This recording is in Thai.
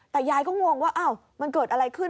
แต่ยายก็งงว่ามันเกิดอะไรขึ้น